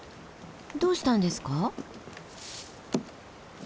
どうしたんですか？